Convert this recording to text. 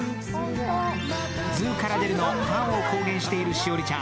ズーカラデルのファンを公言している栞里ちゃん。